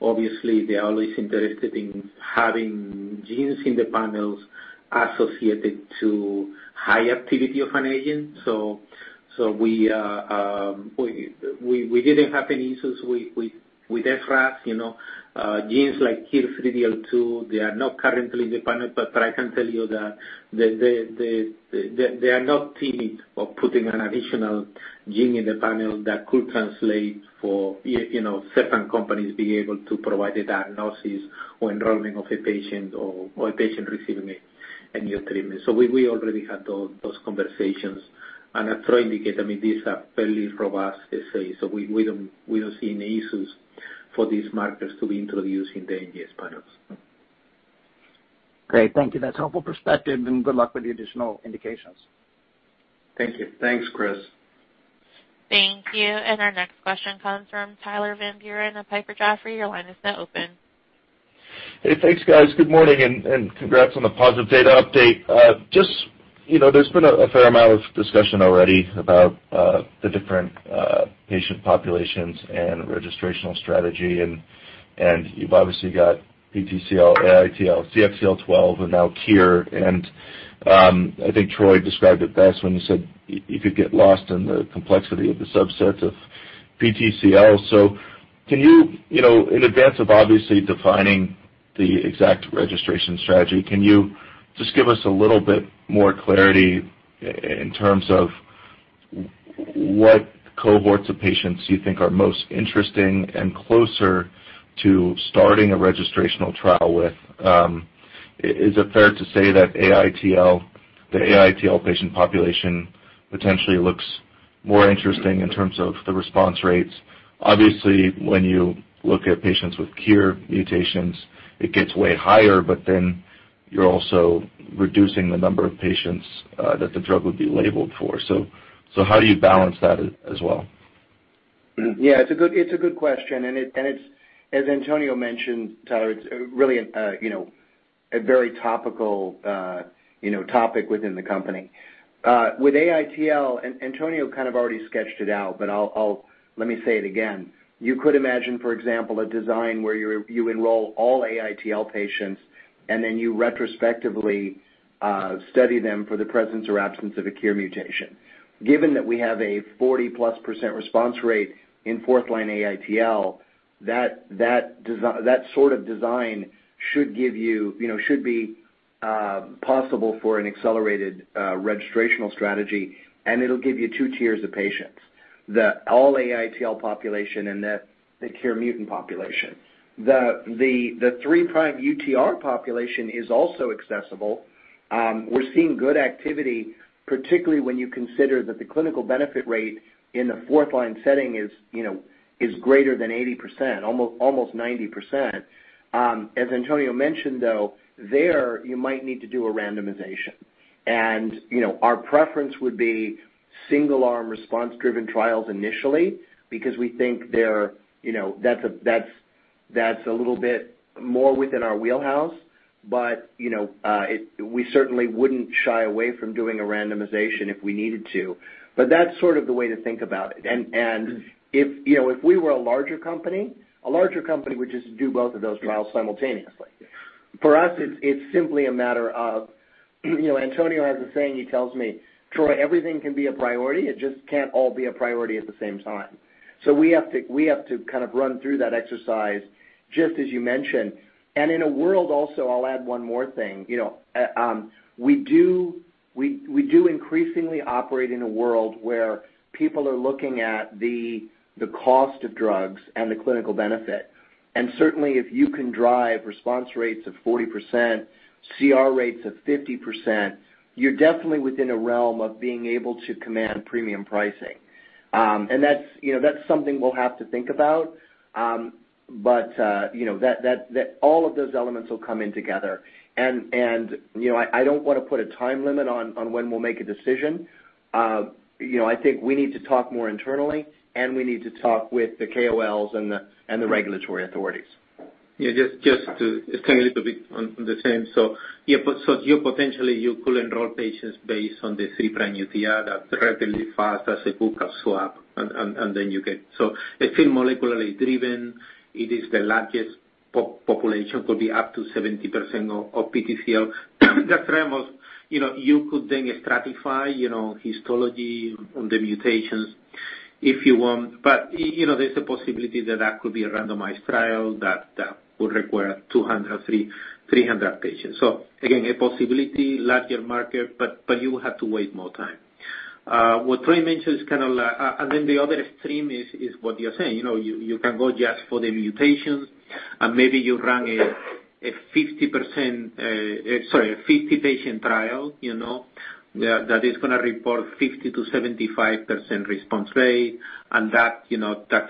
obviously, they are always interested in having genes in the panels associated to high activity of an agent. We didn't have any issues with Fratricide. Genes like KIR3DL2, they are not currently in the panel, but I can tell you that they are not timid of putting an additional gene in the panel that could translate for certain companies being able to provide a diagnosis or enrollment of a patient or a patient receiving a new treatment. We already had those conversations. As Troy indicated, these are fairly robust assays. We don't see any issues for these markers to be introduced in the NGS panels. Great. Thank you. That's a helpful perspective, good luck with the additional indications. Thank you. Thanks, Chris. Thank you. Our next question comes from Tyler Van Buren of Piper Sandler. Your line is now open. Hey, thanks, guys. Good morning, congrats on the positive data update. There's been a fair amount of discussion already about the different patient populations registrational strategy, you've obviously got PTCL, AITL, CXCL12, now KIR, I think Troy described it best when you said you could get lost in the complexity of the subsets of PTCL. Can you, in advance of obviously defining the exact registration strategy, can you just give us a little bit more clarity in terms of what cohorts of patients you think are most interesting closer to starting a registrational trial with? Is it fair to say that the AITL patient population potentially looks more interesting in terms of the response rates? When you look at patients with KIR mutations, it gets way higher, you're also reducing the number of patients that the drug would be labeled for. How do you balance that as well? It's a good question, as Antonio mentioned, Tyler, it's really a very topical topic within the company. With AITL, Antonio kind of already sketched it out, let me say it again. You could imagine, for example, a design where you enroll all AITL patients you retrospectively study them for the presence or absence of a KIR mutation. Given that we have a 40+% response rate in fourth-line AITL, that sort of design should be possible for an accelerated registrational strategy, it'll give you 2 tiers of patients, the all AITL population and the KIR mutant population. The 3' UTR population is also accessible. We're seeing good activity, particularly when you consider that the clinical benefit rate in the fourth-line setting is greater than 80%, almost 90%. As Antonio mentioned, though, there you might need to do a randomization. Our preference would be single-arm response-driven trials initially, because we think that's a little bit more within our wheelhouse. We certainly wouldn't shy away from doing a randomization if we needed to. That's sort of the way to think about it. If we were a larger company, a larger company would just do both of those trials simultaneously. For us, it's simply a matter of, Antonio has a saying, he tells me, "Troy, everything can be a priority. It just can't all be a priority at the same time." We have to kind of run through that exercise, just as you mentioned. In a world also, I'll add one more thing. We do increasingly operate in a world where people are looking at the cost of drugs and the clinical benefit. Certainly, if you can drive response rates of 40%, CR rates of 50%, you're definitely within a realm of being able to command premium pricing. That's something we'll have to think about. All of those elements will come in together. I don't want to put a time limit on when we'll make a decision. I think we need to talk more internally, we need to talk with the KOLs and the regulatory authorities. Yeah, it's kind of a little bit on the same. Yeah, potentially, you could enroll patients based on the 3'UTR that rapidly fast as a buccal swab. It's been molecularly driven. It is the largest population, could be up to 70% of PTCL. *audio distortion* you could then stratify histology on the mutations if you want. There's a possibility that that could be a randomized trial that would require 200, 300 patients. Again, a possibility, larger market, but you have to wait more time. What Troy mentioned is. The other extreme is what you're saying. You can go just for the mutations, and maybe you run a 50-patient trial that is going to report 50%-75% response rate, and that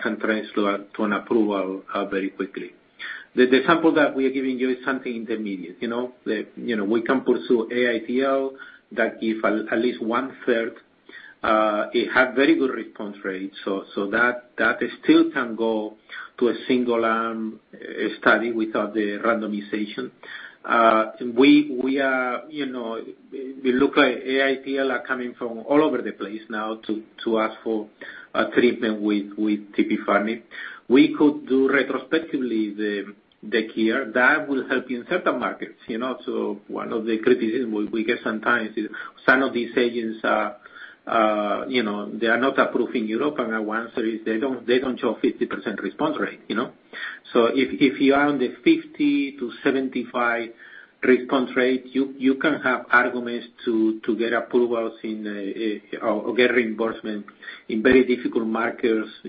can translate to an approval very quickly. The example that we are giving you is something intermediate. We can pursue AITL that give at least one-third. It had very good response rates, that still can go to a single-arm study without the randomization. It look like AITL are coming from all over the place now to ask for a treatment with tipifarnib. We could do retrospectively the cure. That will help in certain markets. One of the criticism we get sometimes is some of these agents are not approved in Europe, and our answer is they don't show 50% response rate. If you are on the 50%-75% response rate, you can have arguments to get approvals or get reimbursement in very difficult markets, for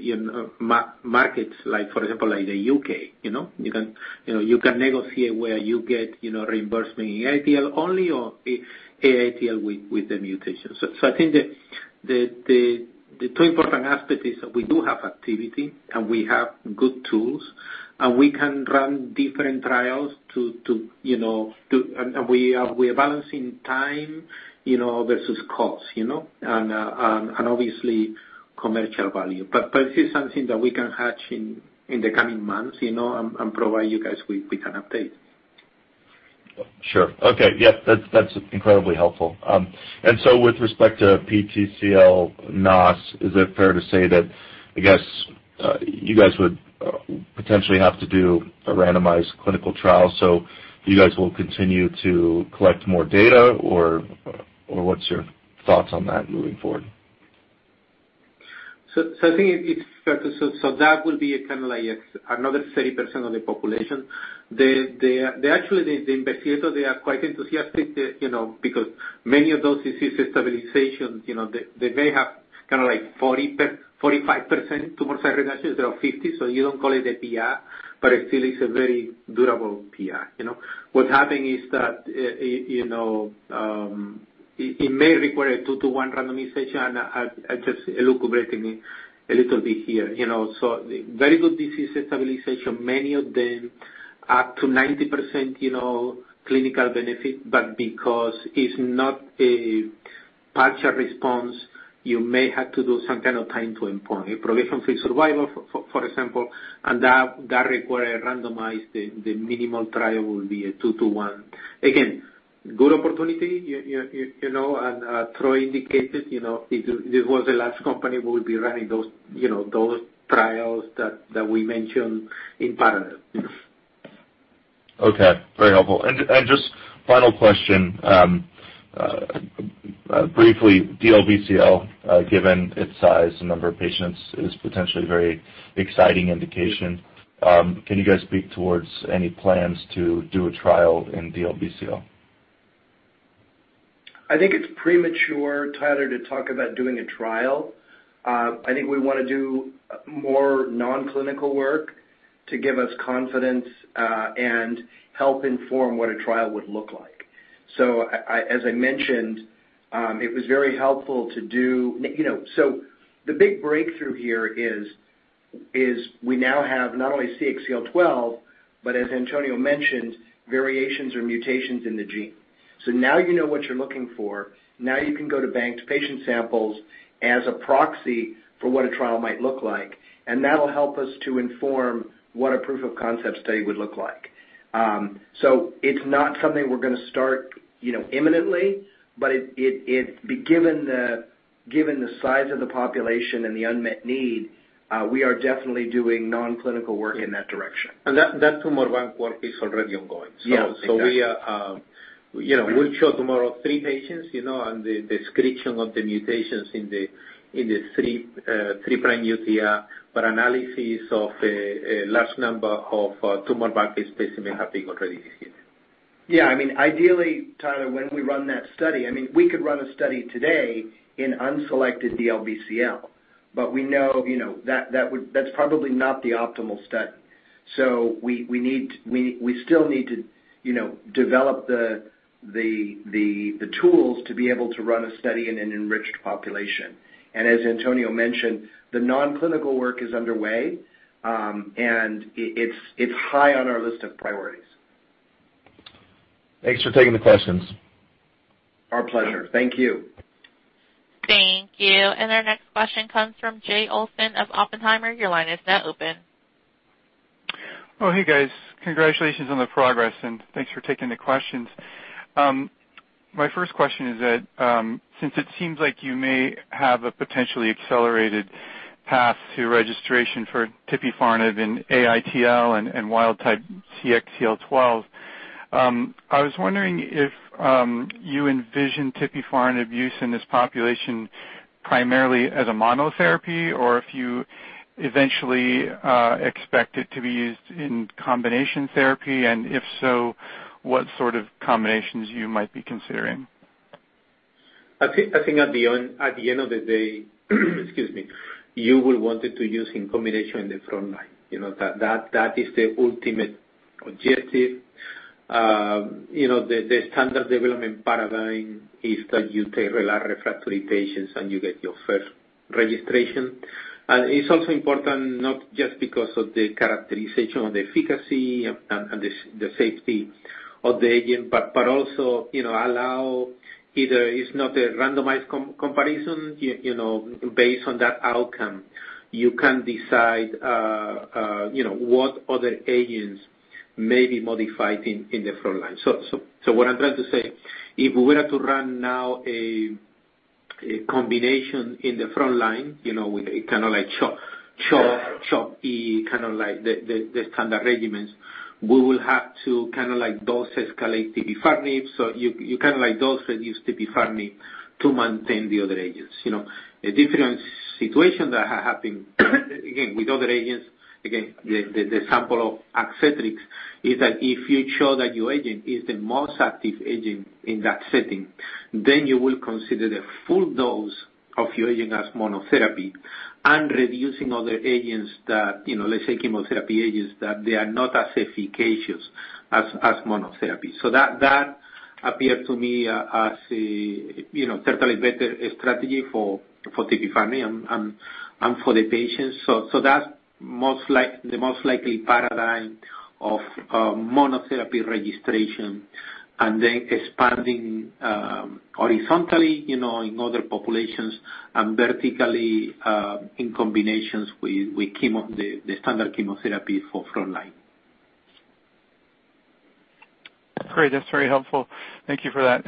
example, like the U.K. You can negotiate where you get reimbursement in AITL only or AITL with the mutation. I think the two important aspect is we do have activity, and we have good tools, and we can run different trials. We are balancing time versus cost, and obviously commercial value. This is something that we can hatch in the coming months, and provide you guys with an update. Sure. Okay. Yeah. That's incredibly helpful. With respect to PTCL, NOS, is it fair to say that, I guess, you guys would potentially have to do a randomized clinical trial? You guys will continue to collect more data or what's your thoughts on that moving forward? I think it's fair. That will be another 30% of the population. Actually, the investigator, they are quite enthusiastic because many of those disease stabilizations, they may have 40%, 45% tumor regression, instead of 50%. You don't call it a PR, but it still is a very durable PR. What's happening is that it may require a 2 to 1 randomization, and just elucubrating a little bit here. Very good disease stabilization, many of them up to 90% clinical benefit, but because it's not a partial response, you may have to do some kind of time to inform. A progression-free survival, for example, and that requires a randomized, the minimal trial will be a 2 to 1. Again, good opportunity. Troy Wilson indicated, if this was the last company, we'll be running those trials that we mentioned in parallel. Okay. Very helpful. Just final question. Briefly, DLBCL, given its size and number of patients, is potentially very exciting indication. Can you guys speak towards any plans to do a trial in DLBCL? I think it's premature, Tyler, to talk about doing a trial. I think we want to do more non-clinical work to give us confidence, and help inform what a trial would look like. As I mentioned, it was very helpful to do. The big breakthrough here is we now have not only CXCL12, but as Antonio mentioned, variations or mutations in the gene. Now you know what you're looking for. Now you can go to banked patient samples as a proxy for what a trial might look like, and that'll help us to inform what a proof of concept study would look like. It's not something we're going to start imminently, but given the size of the population and the unmet need, we are definitely doing non-clinical work in that direction. That tumor bank work is already ongoing. Yes, exactly. We'll show tomorrow three patients, and the description of the mutations in the 3' UTR, analysis of a large number of tumor bank-based specimen have been already received. Yeah, ideally, Tyler, when we run that study, we could run a study today in unselected DLBCL, we know that's probably not the optimal study. We still need to develop the tools to be able to run a study in an enriched population. As Antonio mentioned, the non-clinical work is underway, and it's high on our list of priorities. Thanks for taking the questions. Our pleasure. Thank you. Thank you. Our next question comes from Jay Olson of Oppenheimer. Your line is now open. Hey, guys. Congratulations on the progress, thanks for taking the questions. My first question is that, since it seems like you may have a potentially accelerated path to registration for tipifarnib in AITL and wild-type CXCL12, I was wondering if you envision tipifarnib use in this population primarily as a monotherapy, or if you eventually expect it to be used in combination therapy, and if so, what sort of combinations you might be considering. I think at the end of the day, excuse me, you will want it to use in combination in the frontline. That is the ultimate objective. The standard development paradigm is that you take relapsed refractory patients you get your first registration. It's also important not just because of the characterization of the efficacy and the safety of the agent, but also, allow either it's not a randomized comparison, based on that outcome, you can decide what other agents may be modified in the frontline. What I'm trying to say, if we were to run now a combination in the frontline, with a kind of like CHOPpy, kind of like the standard regimens, we will have to dose escalate tipifarnib. You kind of like dose reduce tipifarnib to maintain the other agents. A different situation that happened, again, with other agents, again, the example of ADCETRIS, is that if you show that your agent is the most active agent in that setting, you will consider the full dose of your agent as monotherapy and reducing other agents that, let's say chemotherapy agents, that they are not as efficacious as monotherapy. That appeared to me as certainly better strategy for tipifarnib and for the patients. That's the most likely paradigm of monotherapy registration and then expanding horizontally in other populations and vertically, in combinations with the standard chemotherapy for frontline. Great. That's very helpful. Thank you for that.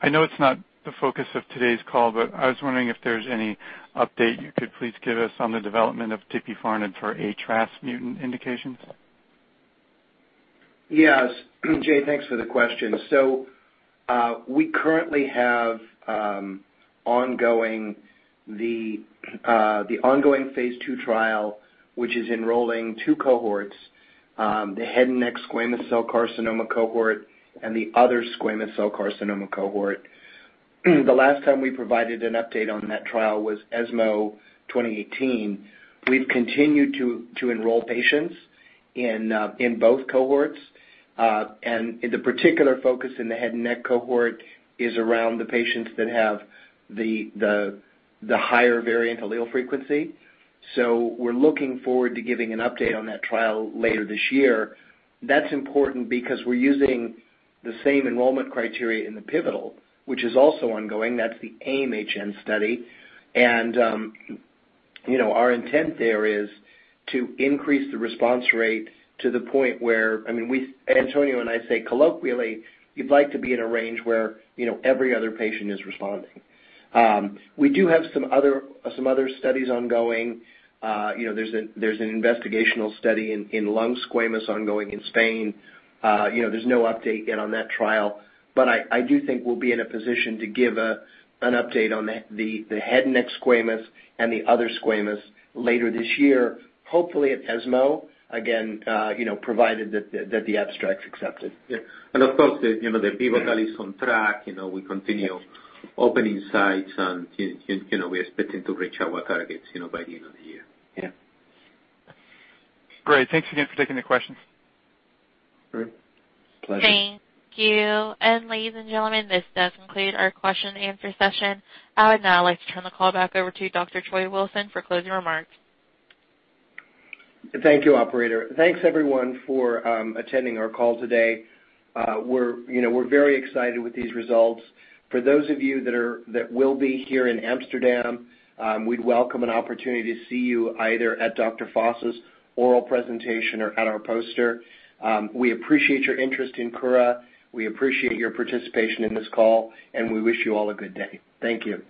I know it's not the focus of today's call, but I was wondering if there's any update you could please give us on the development of tipifarnib for HRAS mutant indications. Yes. Jay, thanks for the question. We currently have the ongoing phase II trial, which is enrolling 2 cohorts, the head and neck squamous cell carcinoma cohort and the other squamous cell carcinoma cohort. The last time we provided an update on that trial was ESMO 2018. We've continued to enroll patients in both cohorts. The particular focus in the head and neck cohort is around the patients that have the higher variant allele frequency. We're looking forward to giving an update on that trial later this year. That's important because we're using the same enrollment criteria in the pivotal, which is also ongoing. That's the AIM-HN study. Our intent there is to increase the response rate to the point where, Antonio and I say colloquially, you'd like to be in a range where every other patient is responding. We do have some other studies ongoing. There's an investigational study in lung squamous ongoing in Spain. There's no update yet on that trial. I do think we'll be in a position to give an update on the head and neck squamous and the other squamous later this year, hopefully at ESMO, again, provided that the abstract's accepted. Yeah. Of course, the pivotal is on track. We continue opening sites, and we are expecting to reach our targets by the end of the year. Yeah. Great. Thanks again for taking the questions. Great. Pleasure. Thank you. Ladies and gentlemen, this does conclude our question and answer session. I would now like to turn the call back over to Dr. Troy Wilson for closing remarks. Thank you, operator. Thanks everyone for attending our call today. We're very excited with these results. For those of you that will be here in Amsterdam, we'd welcome an opportunity to see you either at Dr. Foss's oral presentation or at our poster. We appreciate your interest in Kura. We appreciate your participation in this call, and we wish you all a good day. Thank you.